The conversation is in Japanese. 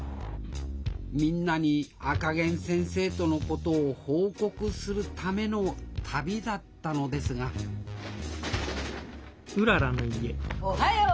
みんなに赤ゲン先生とのことを報告するための旅だったのですがおはよう！